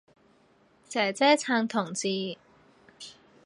姐姐撐同志